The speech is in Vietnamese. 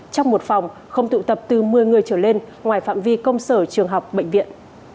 trong một phòng không tụ tập từ một mươi người trở lên ngoài phạm vi công sở trường học bệnh viện